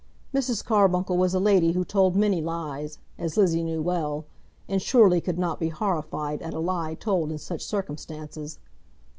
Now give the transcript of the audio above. Mrs. Carbuncle was a lady who told many lies, as Lizzie knew well, and surely could not be horrified at a lie told in such circumstances.